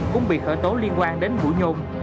cũng bị khởi tố liên quan đến vũ nhôn